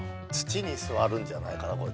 土に座るんじゃないかな？